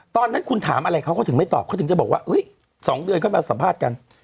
ตอนนั้นคุณถามอะไรเขาก็ถึงไม่ตอบเขาถึงจะบอกว่า๒เดือนเข้ามาสัมภาษณ์กัน